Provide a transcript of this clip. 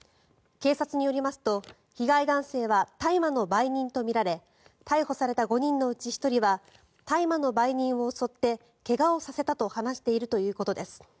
警察によりますと被害男性は大麻の売人とみられ逮捕された５人のうち１人は大麻の売人を襲って怪我をさせたと話しているということです。